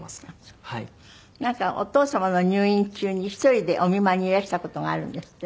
なんかお父様の入院中に１人でお見舞いにいらした事があるんですって？